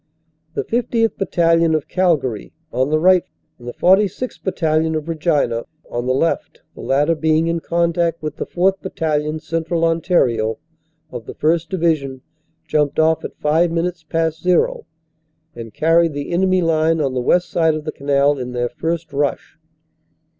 The 50th. Battalion, of Calgary, on the right and the 46th. Battalion, of Regina, on 222 CANADA S HUNDRED DAYS the left the latter being in contact with the 4th. Battalion, Central Ontario, of the 1st. Division jumped off at five min utes past "zero" and carried the enemy line on the west side of the canal in their first rush.